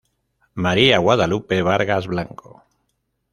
María Guadalupe Vargas Blanco.